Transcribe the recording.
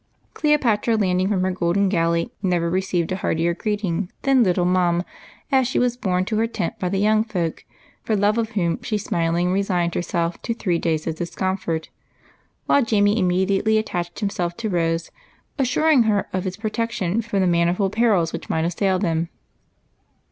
Cleopatra landing from her golden galley never re ceived a heartier greeting than " Little Mum " as she was borne to her tent by the young folk, for love of whom she smilingly resigned herself to three days of discomfort ; while Jamie immediately attached him self to Rose, assuring her of his protection from the manifold perils which might assail them.